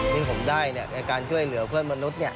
ที่ผมได้ในการช่วยเหลือเพื่อนมนุษย์